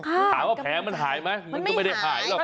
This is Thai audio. ถามว่าแผลมันหายไหมมันก็ไม่หาย